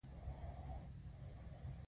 تاسو د پرېکړو د نیولو مخه نشئ نیولی.